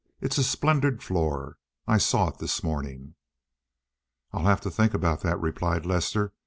It's a splendid floor. I saw it this morning." "I'll have to think about that," replied Lester.